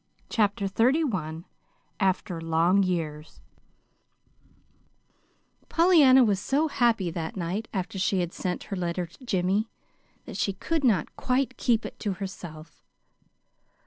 CHAPTER XXXI AFTER LONG YEARS Pollyanna was so happy that night after she had sent her letter to Jimmy that she could not quite keep it to herself.